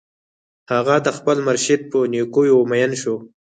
هغه د خپل مرشد په نېکیو مین شو